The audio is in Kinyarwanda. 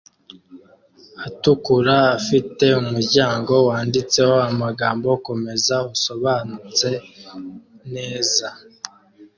atukura afite umuryango wanditseho amagambo Komeza usobanutse neza